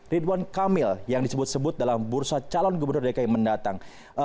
ridwan kamil yang disebut sebut dalam bursa calon gubernur dki mendatang